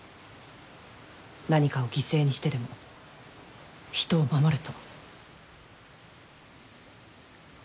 何かを犠牲にしてでも「人」を守れと。